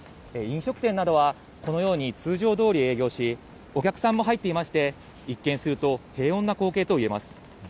飲食店などはこのように、通常どおり営業し、お客さんも入っていまして、一見すると平穏な光景といえます。